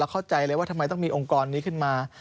เข้าใจเลยว่าทำไมต้องมีองค์กรนี้ขึ้นมา